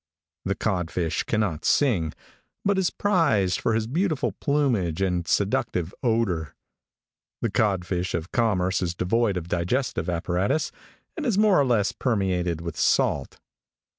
The codfish cannot sing, but is prized for his beautiful plumage and seductive odor. The codfish of commerce is devoid of digestive apparatus, and is more or less permeated with salt.